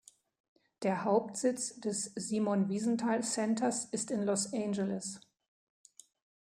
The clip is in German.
Der Hauptsitz des Simon Wiesenthal Centers ist in Los Angeles.